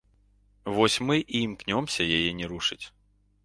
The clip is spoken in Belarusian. Вось мы і імкнёмся яе не рушыць.